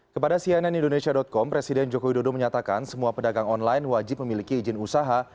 kepada cnn indonesia com presiden joko widodo menyatakan semua pedagang online wajib memiliki izin usaha